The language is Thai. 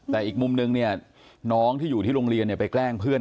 แต่อีกมุมนึงเนี่ยน้องที่อยู่ที่โรงเรียนไปแกล้งเพื่อน